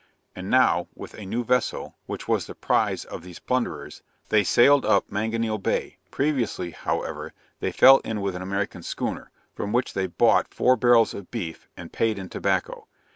And now, with a new vessel, which was the prize of these plunderers, they sailed up Manganeil bay; previously, however, they fell in with an American schooner, from which they bought four barrels of beef, and paid in tobacco.